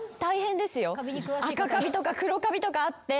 赤カビとか黒カビとかあって。